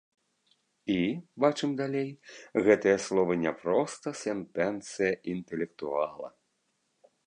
І, бачым далей, гэтыя словы не проста сэнтэнцыя інтэлектуала.